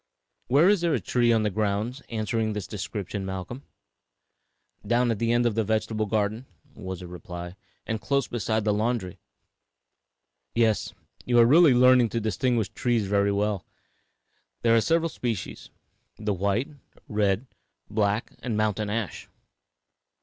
Where is there a tree on the grounds answering this description, Malcolm?" "Down at the end of the vegetable garden," was the reply, "and close beside the laundry." [Illustration: AMERICAN WHITE ASH.] "Yes; you are really learning to distinguish trees very well. There are several species the white, red, black and mountain ash.